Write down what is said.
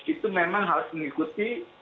itu memang harus mengikuti